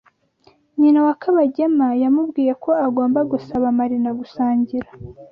Nyina wa Kabagema yamubwiye ko agomba gusaba Marina gusangira.